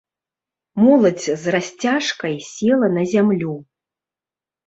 Моладзь з расцяжкай села на зямлю.